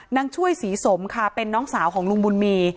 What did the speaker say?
นางช่วยศรีสมค่ะเป็นน้องสาวของลุงบุญมี